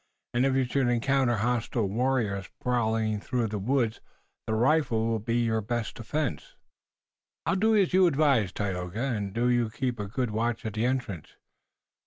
And if you should encounter hostile warriors prowling through the woods the rifle will be your best defense." "I'll do as you advise, Tayoga, and do you keep a good watch at the entrance.